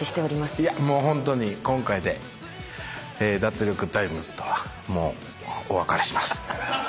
いやもうホントに今回で『脱力タイムズ』とはもうお別れします。